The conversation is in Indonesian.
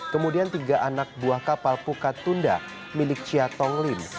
kemudian tiga anak buah kapal puka tunda milik chiatong lim